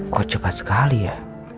kok cepat sekali ya